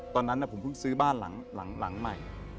ตอนนั้นผมเพิ่งซื้อบ้านหลังใหม่